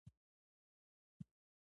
ځینې وختونه خلک چې له خفګان سره مخ شي.